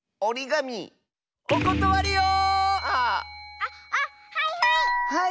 あっあはいはい！